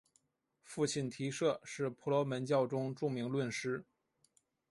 父亲提舍是婆罗门教中著名论师。